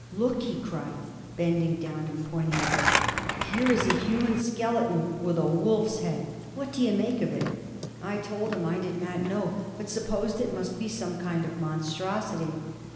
'Look!' he cried, bending down and pointing at them, 'here is a human skeleton with a wolf's head. What do you make of it?' I told him I did not know, but supposed it must be some kind of monstrosity.